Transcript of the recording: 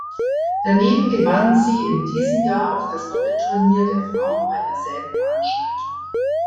Daneben gewann sie in diesem Jahr auch das Doppel-Turnier der Frauen bei derselben Veranstaltung.